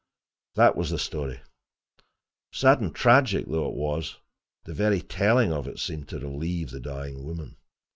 That was the story. Sad and tragic though it was, the very telling of it seemed to relieve the dying woman.